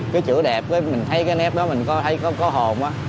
cái chữ đẹp mình thấy cái nếp đó mình thấy có hồn